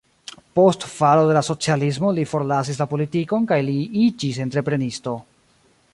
Post falo de la socialismo li forlasis la politikon kaj li iĝis entreprenisto.